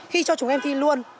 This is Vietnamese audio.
khi cho chúng em thi luôn